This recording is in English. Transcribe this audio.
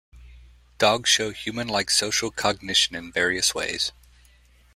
Dogs show human-like social cognition in various ways.